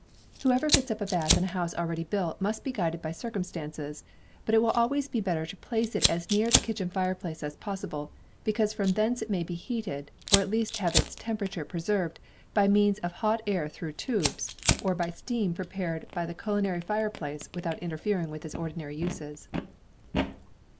Whoever fits up a bath in a house already built must be guided by circumstances; but it will always be better to place it as near the kitchen fireplace as possible, because from thence it may be heated, or at least have its temperature preserved, by means of hot air through tubes, or by steam prepared by the culinary fireplace without interfering with its ordinary uses.